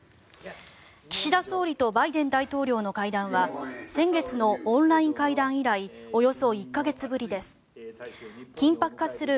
岸田総理とバイデン大統領の会談は先月のオンライン会談以来およそ１か月ぶりです。